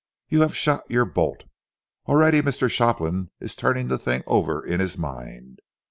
You have shot your bolt. Already Mr. Shopland is turning the thing over in his mind.